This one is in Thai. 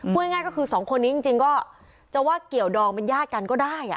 พูดง่ายก็คือสองคนนี้จริงก็จะว่าเกี่ยวดองเป็นญาติกันก็ได้